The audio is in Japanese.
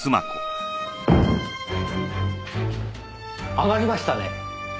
上がりましたね。